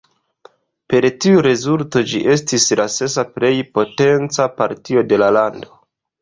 Per tiu rezulto ĝi estis la sesa plej potenca partio de la lando.